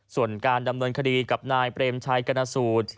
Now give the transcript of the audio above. ส่วนการดำเนินคดีกับนายเปรมชัยกรณสูตร